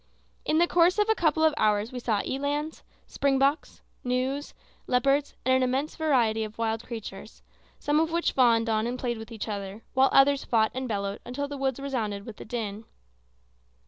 In the course of a couple of hours we saw elands, springboks, gnus, leopards, and an immense variety of wild creatures, some of which fawned on and played with each other, while others fought and bellowed until the woods resounded with the din.